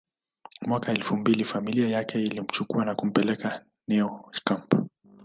Mwaka elfu mbili familia yake ilimchukua na kumpeleka Neo camp